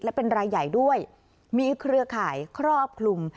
และเป็นรายใหญ่ด้วยมีเครือข่ายครอบคลุม